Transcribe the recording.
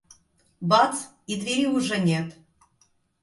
Бац! И двери уже нет.